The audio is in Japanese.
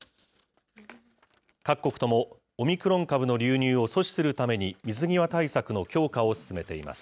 各国ともオミクロン株の流入を阻止するために、水際対策の強化を進めています。